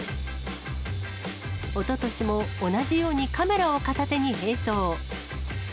おととしも同じようにカメラを片手に並走。